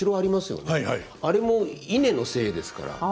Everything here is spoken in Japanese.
あれも稲の精ですから。